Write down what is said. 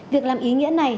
việc làm ý nghĩa này